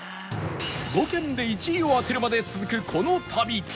５軒で１位を当てるまで続くこの旅